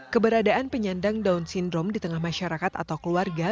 keberadaan penyandang down syndrome di tengah masyarakat atau keluarga